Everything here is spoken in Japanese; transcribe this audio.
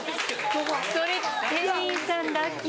それ店員さんラッキーですね。